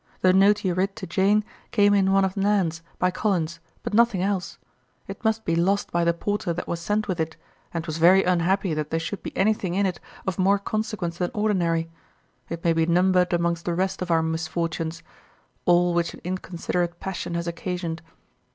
The note you writ to Jane came in one of Nan's, by Collins, but nothing else; it must be lost by the porter that was sent with it, and 'twas very unhappy that there should be anything in it of more consequence than ordinary; it may be numbered amongst the rest of our misfortunes, all which an inconsiderate passion has occasioned.